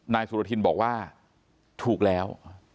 สุรทินบอกว่าถูกแล้ว